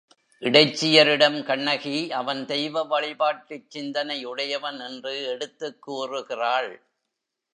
இடைச்சியரிடம் கண்ணகி அவன் தெய்வ வழிபாட்டுச் சிந்தனை உடையவன் என்று எடுத்துக் கூறுகிறாள்.